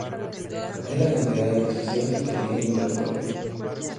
Es la cantidad de posiciones que tiene un interruptor.